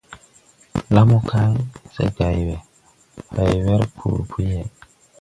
La mo kay, se gày we, hay wer koo po yeʼe.